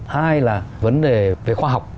hai là vấn đề về khoa học